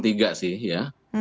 tiga sih ya